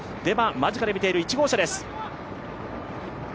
間近で見ている１号車です。